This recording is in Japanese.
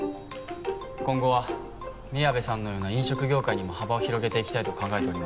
今後はみやべさんのような飲食業界にも幅を広げていきたいと考えております。